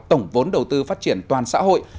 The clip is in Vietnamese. tổng vốn đầu tư phát triển toàn xã hội